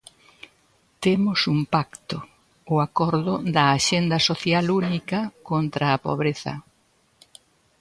Temos un pacto, o acordo da Axenda social única contra a pobreza.